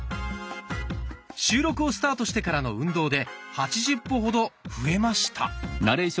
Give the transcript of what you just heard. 収録をスタートしてからの運動で８０歩ほど増えました。